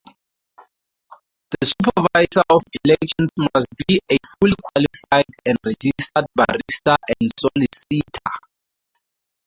The Supervisor of Elections must be a fully qualified and registered barrister and solicitor.